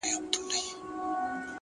پوهه د شکونو پر ځای رڼا راولي.!